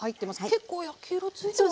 結構焼き色ついてますよ。